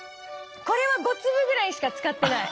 これは５粒ぐらいしか使ってない。